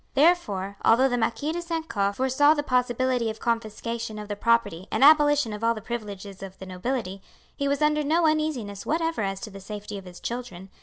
Therefore, although the Marquis de St. Caux foresaw the possibility of confiscation of the property and abolition of all the privileges of the nobility, he was under no uneasiness whatever as to the safety of his children.